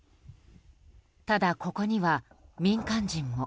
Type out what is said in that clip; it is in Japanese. ただ、ここには民間人も。